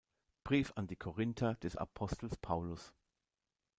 Brief an die Korinther des Apostels Paulus.